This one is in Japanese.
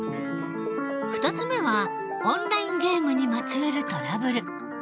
２つ目はオンラインゲームにまつわるトラブル。